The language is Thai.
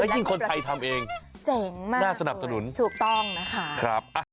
ยิ่งคนไทยทำเองเจ๋งมากน่าสนับสนุนถูกต้องนะคะ